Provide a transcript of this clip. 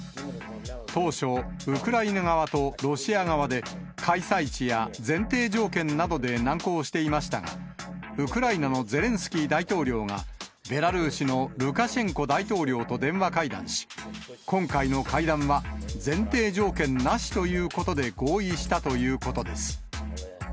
当初、ウクライナ側とロシア側で、開催地や前提条件などで難航していましたが、ウクライナのゼレンスキー大統領が、ベラルーシのルカシェンコ大統領と電話会談し、今回の会談は前提条件なしということで合意したということです。